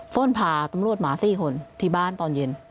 ้นพาตำรวจมา๔คนที่บ้านตอนเย็น